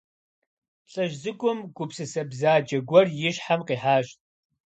ЛӀыжь цӀыкӀум гупсысэ бзаджэ гуэр и щхьэм къихьащ.